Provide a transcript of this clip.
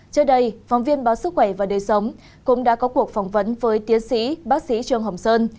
trước đây phóng viên báo sức khỏe và đời sống cũng đã có cuộc phỏng vấn với tiến sĩ bác sĩ trương hồng sơn